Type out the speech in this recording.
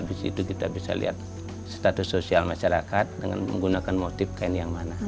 habis itu kita bisa lihat status sosial masyarakat dengan menggunakan motif kain yang mana